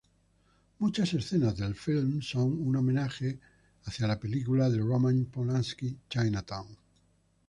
Muchas escenas del film son un homenaje hacia la película de Roman Polanski "Chinatown".